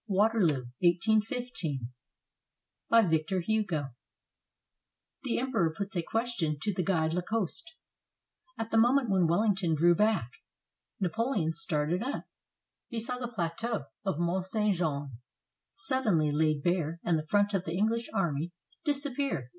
" WATERLOO BY VICTOR HUGO THE EMPEROR PUTS A QUESTION TO THE GUIDE LACOSTE At the moment when Wellington drew back, Napoleon started up. He saw the plateau of Mont St. Jean sud denly laid bare and the front of the English army disap pear.